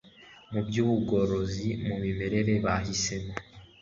mu byubugorozi mu mirire Bahisemo